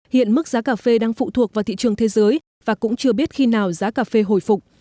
hiện mức giá cà phê đang phụ thuộc vào thị trường thế giới và cũng chưa biết khi nào giá cà phê hồi phục